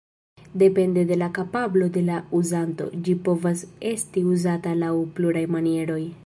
Depende de la kapablo de la uzanto, ĝi povas esti uzata laŭ pluraj manieroj.